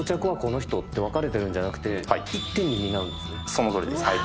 そのとおりです。